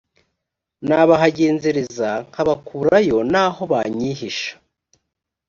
nahabagenzereza nkabakurayo naho banyihisha